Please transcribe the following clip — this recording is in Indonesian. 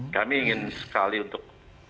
kami ingin sekali untuk